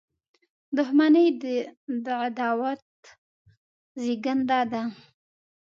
• دښمني د عداوت زیږنده ده.